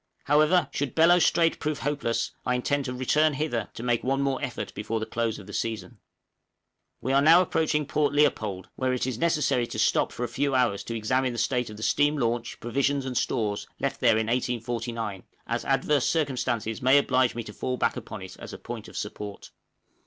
However, should Bellot Strait prove hopeless, I intend to return hither to make one more effort before the close of the season. We are now approaching Port Leopold, where it is necessary to stop for a few hours to examine the state of the steam launch, provisions and stores, left there in 1849, as adverse circumstances may oblige me to fall back upon it as a point of support.